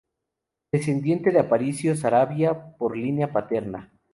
Descendiente de Aparicio Saravia por línea paterna.